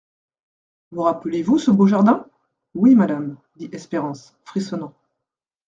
Vous rappelez-vous ce beau jardin ? Oui, madame, dit Espérance, frissonnant.